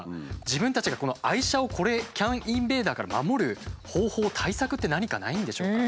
自分たちが愛車をＣＡＮインベーダーから守る方法対策って何かないんでしょうか？